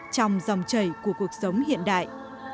trong dòng chảy của cuộc sống hiện đại